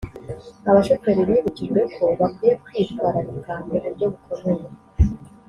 Abashoferi bibukijwe ko bakwiye kwitwararika mu buryo bukomeye